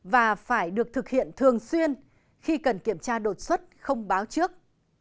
và phải được thực hiện thường xuyên khi cần kiểm tra đột xuất không báo trước